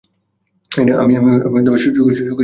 আমি সুখের জন্য যাইতে চাহি নাই।